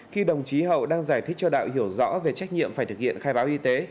khi đồng chí hậu đang giải thích cho đạo hiểu rõ về trách nhiệm phải thực hiện khai báo y tế